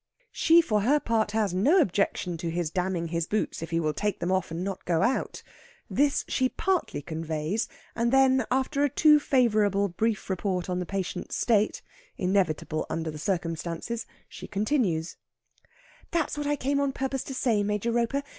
She, for her part, has no objection to his damning his boots if he will take them off, and not go out. This she partly conveys, and then, after a too favourable brief report of the patient's state inevitable under the circumstances she continues: "That's what I came on purpose to say, Major Roper.